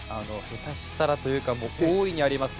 下手したらというか大いにあります。